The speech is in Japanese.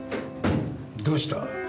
どうした？